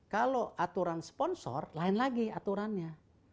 kalau aturan sponsor lain lagi aturannya